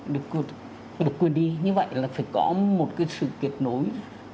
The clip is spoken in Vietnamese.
được quyền đi như vậy là phải có một cái sự kết nối